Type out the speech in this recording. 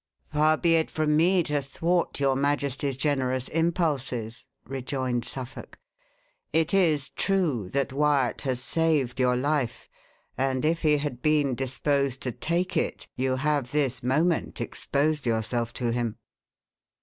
"Far be it from me to thwart your majesty's generous impulses," rejoined Suffolk. "It is true that Wyat has saved your life; and if he had been disposed to take it, you have this moment exposed yourself to him."